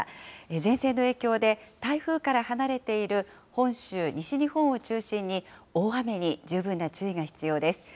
前線の影響で、台風から離れている本州、西日本を中心に、大雨に十分な注意が必要です。